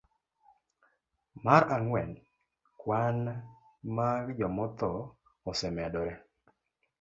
Mar ang'wen, kwan mag jomotho osemedore.